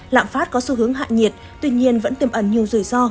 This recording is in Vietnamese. lạm phát có xu hướng hạ nhiệt tuy nhiên vẫn tiềm ẩn nhiều rủi ro